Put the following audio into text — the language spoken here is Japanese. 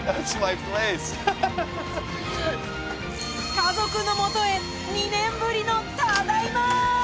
家族のもとへ２年ぶりのただいま！